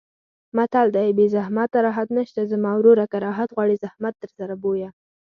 متل دی: بې زحمته راحت نشته زما وروره که راحت غواړې زحمت درلره بویه.